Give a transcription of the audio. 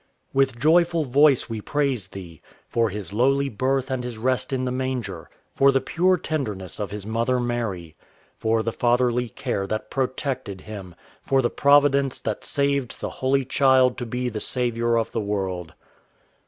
With joyful voice we praise Thee: For His lowly birth and His rest in the manger, For the pure tenderness of His mother Mary, For the fatherly care that protected Him, For the Providence that saved the Holy Child To be the Saviour of the world.